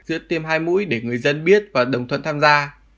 giữa tiêm hai mũi để người dân biết và đồng thuận tham gia